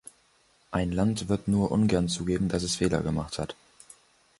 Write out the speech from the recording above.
Ein Land wird nur ungern zugeben, dass es Fehler gemacht hat.